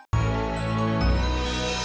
kamu itu memang mau siap